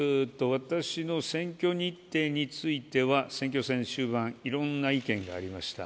私の選挙日程については、選挙戦終盤、いろんな意見がありました。